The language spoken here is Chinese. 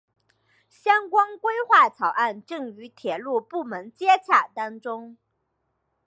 相关规划草案正与铁路部门接洽当中。